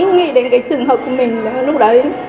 nghĩ đến cái trường hợp của mình lúc đấy